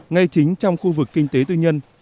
ngay chính trong khu vực kinh tế tư nhân